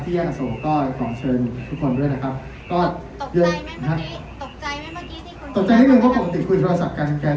ที่แยกอโศก็ขอเชิญทุกคนด้วยนะครับก็เยอะธนิดหนึ่งว่าผมปกติคุยโทรศัพท์กัน